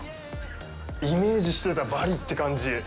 イメージしてたバリって感じ。